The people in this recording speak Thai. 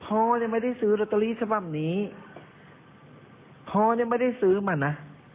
พ่อยังไม่ได้ซื้อลอตเตอรี่สำหรับนี้พ่อยังไม่ได้ซื้อมันนะ